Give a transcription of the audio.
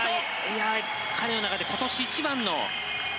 彼の中で今年一番の。